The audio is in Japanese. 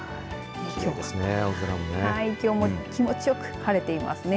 きょうも気持ちよく晴れていますね。